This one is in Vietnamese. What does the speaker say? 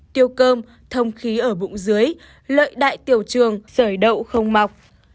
tiêu cơm thông khí ở bụng dưới lợi đại tiểu trường sởi đậu không mọc